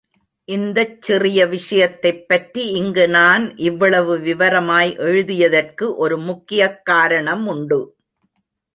இந்தச் சிறிய விஷயத்தைப் பற்றி இங்கு நான் இவ்வளவு விவரமாய் எழுதியதற்கு ஒரு முக்கியக் காரணமுண்டு.